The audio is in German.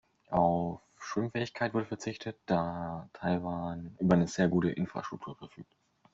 Auf Schwimmfähigkeit wurde verzichtet, da Taiwan über eine sehr gute Infrastruktur verfügt.